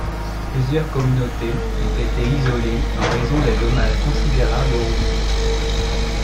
Plusieurs communautés ont été isolées en raison des dommages considérables aux routes.